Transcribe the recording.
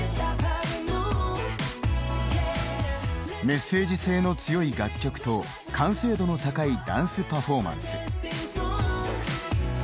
メッセージ性の強い楽曲と完成度の高いダンスパフォーマンス。